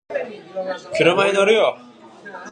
車に乗るよ